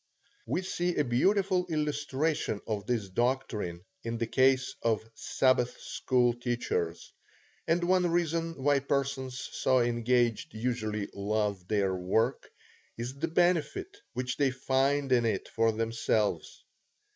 We see a beautiful illustration of this doctrine in the case of Sabbath school teachers, and one reason why persons so engaged usually love their work, is the benefit which they find in it for themselves.